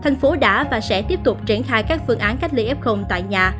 tp hcm đã đưa ra một ca mắc mới và sẽ tiếp tục triển khai các phương án cách ly f tại nhà